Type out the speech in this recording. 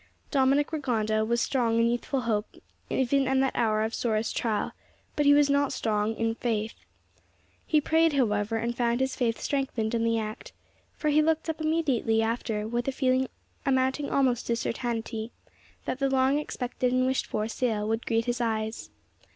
Dominick Rigonda was strong in youthful hope even in that hour of sorest trial, but he was not strong in faith. He prayed, however, and found his faith strengthened in the act, for he looked up immediately after with a feeling amounting almost to certainty, that the long expected and wished for sail would greet his eyes.